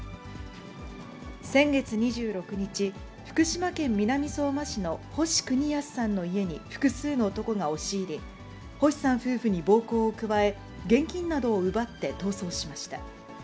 先月２６日、福島県南相馬市の星邦康さんの家に複数の男が押し入り、星さん夫婦に暴行を加え、現金などを奪って逃走しました。